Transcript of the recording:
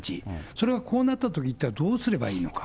それがこうなったときに、どうすればいいのか。